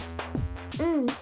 うん。